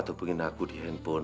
terima kasih pak